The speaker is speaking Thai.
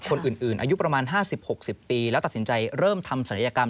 คนอื่นอายุประมาณ๕๐๖๐ปีแล้วตัดสินใจเริ่มทำศัลยกรรม